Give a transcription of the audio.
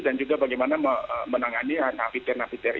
dan juga bagaimana menangani